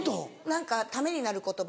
何かためになる言葉。